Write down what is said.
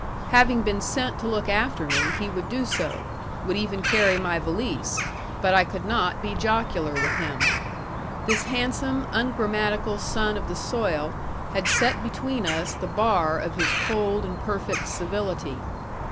Having been sent to look after me, he would do so, would even carry my valise; but I could not be jocular with him. This handsome, ungrammatical son of the soil had set between us the bar of his cold and perfect civility.